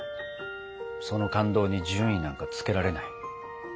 その感動に順位なんかつけられない。